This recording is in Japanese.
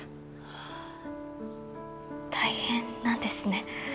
ああ大変なんですね。